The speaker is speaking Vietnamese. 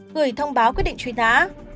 người thông báo quyết định trùy ná